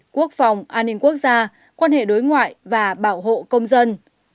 quốc phòng an ninh quốc gia quan hệ đối ngoại và bảo hộ công dân